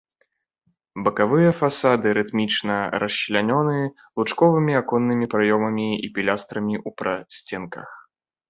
Бакавыя фасады рытмічна расчлянёны лучковымі аконнымі праёмамі і пілястрамі ў прасценках.